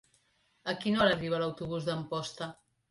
A quina hora arriba l'autobús d'Amposta?